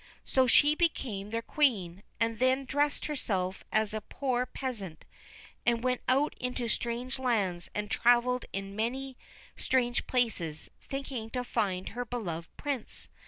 So she became their Queen, and then dressed herself as a poor peasant, and went out into strange lands and travelled in many strange places, thinking to find her beloved Prince.